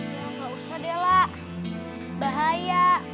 ya gak usah della bahaya